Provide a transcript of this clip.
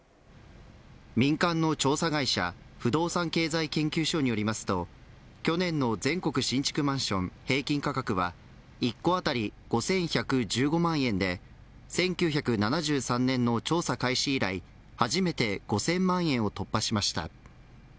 民間の調査会社不動産経済研究所によりますと去年の全国新築マンション平均価格は１戸当たり５１１５万円で１９７３年の調査開始以来初めて５０００万円を突破しました。